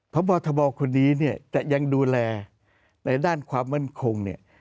พบทบคนนี้เนี่ยจะยังดูแลในด้านความมั่นคงเนี่ย